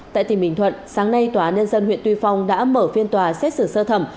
tại tỉnh bình thuận sáng nay tòa án nhân dân huyện tuy phong đã mở phiên tòa xét xử sơ thẩm